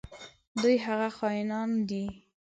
دوی هغه خاینان دي.